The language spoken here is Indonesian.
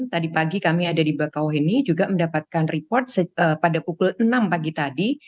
tadi pagi kami ada di bakauheni juga mendapatkan report pada pukul enam pagi tadi